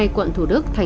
quận thủ đức tp hcm